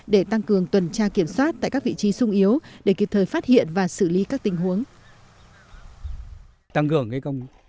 để tăng cường tuần tra kiểm soát tại các vị trí sung yếu để kịp thời phát hiện và xử lý các tình huống